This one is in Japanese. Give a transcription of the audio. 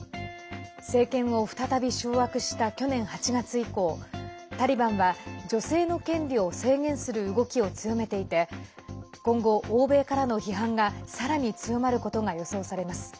政権を再び掌握した去年８月以降タリバンは女性の権利を制限する動きを強めていて今後、欧米からの批判がさらに強まることが予想されます。